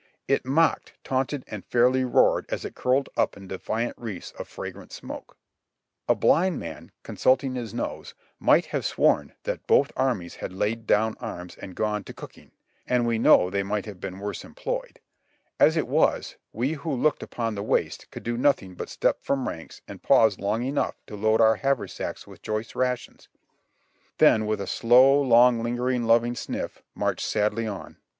It mocked, taunted and fairly roared as it curled up in defiant wreaths of fragrant smoke. A blind man, consulting his nose, might have sworn that both armies had laid down arms and gone to cooking (and we know they might have been worse employed) ; as it was, we who looked upon the waste could do nothing but step from ranks and pause long enough to load our haversacks with choice rations, then with a slow, long, lingering, loving sniff march sadly on.